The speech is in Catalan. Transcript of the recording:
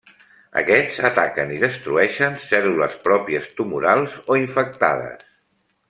Aquests ataquen i destrueixen cèl·lules pròpies tumorals o infectades.